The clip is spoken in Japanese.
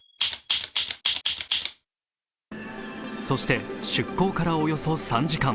そして出港からおよそ３時間